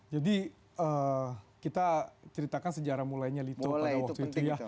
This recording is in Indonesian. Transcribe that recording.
jadi kita ceritakan sejarah mulainya lito pada waktu itu